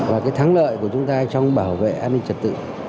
và cái thắng lợi của chúng ta trong bảo vệ an ninh trật tự